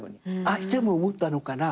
相手も思ったのかな？